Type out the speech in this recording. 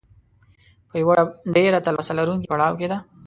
په یوه ډېره تلوسه لرونکي پړاو کې ده.